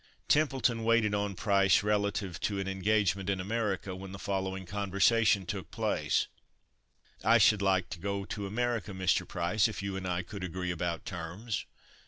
Templeton waited on Price relative to an engagement in America, when the following conversation took place: "I should like to go to America, Mr. Price, if you and I could agree about terms."